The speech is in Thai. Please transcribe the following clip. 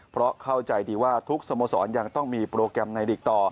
เพราะเข้าใจดีว่าทุกสโมสรยังต้องมีโปรแกรมในหลีกต่อ